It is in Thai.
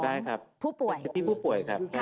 ขอได้ครับเป็นสิทธิ์ของผู้ป่วยครับ